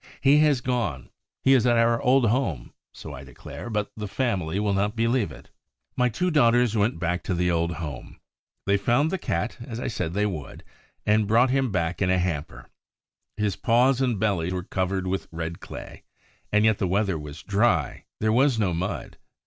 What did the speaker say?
He has gone, he is at our old home. So I declare, but the family will not believe it. My two daughters went back to the old home. They found the Cat, as I said they would, and brought him back in a hamper. His paws and belly were covered with red clay; and yet the weather was dry, there was no mud.